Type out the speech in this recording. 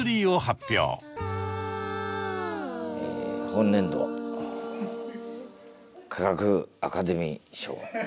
本年度科学アカデミー賞第３位！